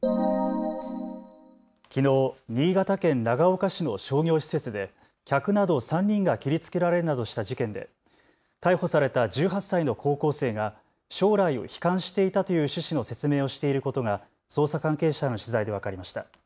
きのう新潟県長岡市の商業施設で客など３人が切りつけられるなどした事件で逮捕された１８歳の高校生が将来を悲観していたという趣旨の説明をしていることが捜査関係者への取材で分かりました。